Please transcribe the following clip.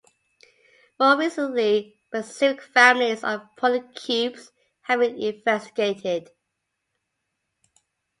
More recently, specific families of polycubes have been investigated.